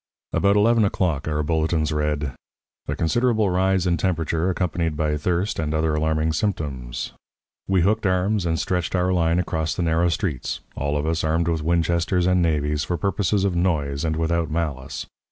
"About eleven o'clock our bulletins read: 'A considerable rise in temperature, accompanied by thirst and other alarming symptoms.' We hooked arms and stretched our line across the narrow streets, all of us armed with Winchesters and navys for purposes of noise and without malice.